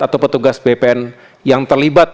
atau petugas bpn yang terlibat